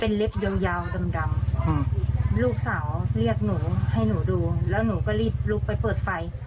เล็บยาวดำดำลูกสาวเรียกหนูให้หนูดูแล้วหนูก็รีบลุกไปเปิดไฟ